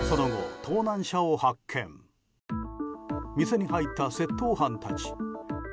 店に入った窃盗犯たち。